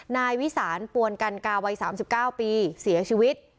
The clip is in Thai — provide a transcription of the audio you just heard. นายวิสานปวนกันกาวัยสามสิบเก้าปีเสียชีวิต